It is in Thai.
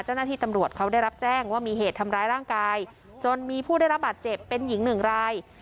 เจ้าหน้าที่ตำรวจเขาได้รับแจ้งว่ามีเหตุทำร้ายร่างกายจนมีผู้ได้รับบาดเจ็บเป็นหญิงหนึ่งราย